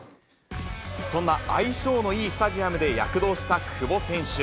そんな相性のいいスタジアムで躍動した久保選手。